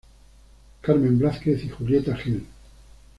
Carmen Blázquez y Julieta Gil.